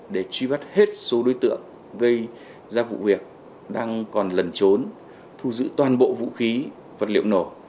để truy bắt hết số đối tượng gây ra vụ việc đang còn lẩn trốn thu giữ toàn bộ vũ khí vật liệu nổ